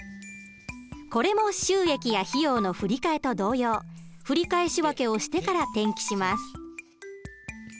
これも収益や費用の振り替えと同様振替仕訳をしてから転記します。